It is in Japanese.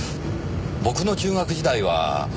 僕の中学時代は。